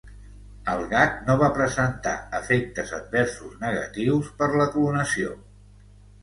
El gat no va presentar efectes adversos negatius per la clonació.